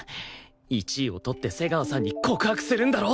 １位を取って瀬川さんに告白するんだろ！